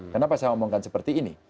kenapa saya omongkan seperti ini